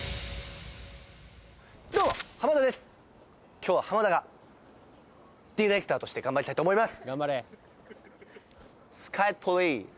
今日は田がディレクターとして頑張りたいと思います！